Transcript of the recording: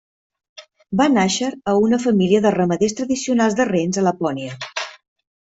Va nàixer a una família de ramaders tradicionals de rens a Lapònia.